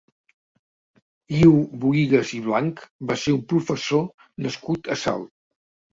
Iu Bohigas i Blanch va ser un professor nascut a Salt.